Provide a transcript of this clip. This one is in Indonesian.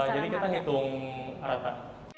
jadi kita hitung rata